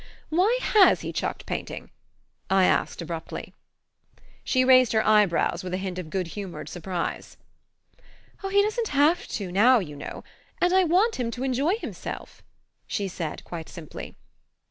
"Why HAS he chucked painting?" I asked abruptly. She raised her eyebrows with a hint of good humoured surprise. "Oh, he doesn't HAVE to now, you know; and I want him to enjoy himself," she said quite simply.